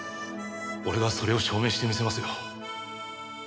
俺がそれを証明してみせますよ。